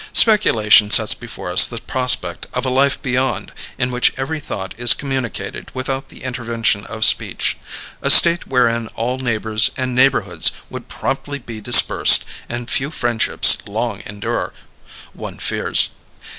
Speculation sets before us the prospect of a Life Beyond in which every thought is communicated without the intervention of speech: a state wherein all neighbours and neighbourhoods would promptly be dispersed and few friendships long endure, one fears.